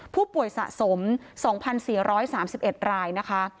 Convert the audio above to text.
ผู้ป่วยสะสม๒๔๓๑รายนะคะ